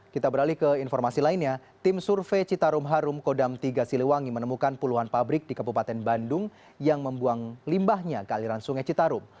kita beralih ke informasi lainnya tim survei citarum harum kodam tiga siliwangi menemukan puluhan pabrik di kabupaten bandung yang membuang limbahnya ke aliran sungai citarum